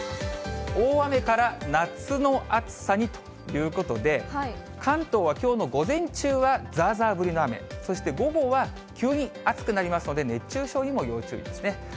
大雨から夏の暑さにということで、関東はきょうの午前中はざーざー降りの雨、そして午後は急に暑くなりますので、熱中症にも要注意ですね。